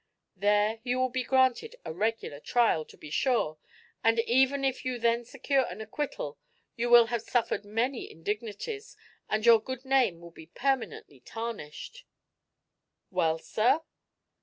There you will be granted a regular trial, to be sure, but even if you then secure an acquittal you will have suffered many indignities and your good name will be permanently tarnished." "Well, sir?"